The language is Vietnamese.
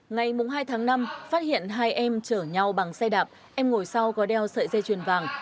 ngày hai tháng năm phát hiện hai em chở nhau bằng xe đạp em ngồi sau có đeo sợi dây chuyền vàng